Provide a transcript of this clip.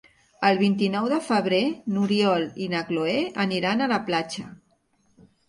El vint-i-nou de febrer n'Oriol i na Cloè aniran a la platja.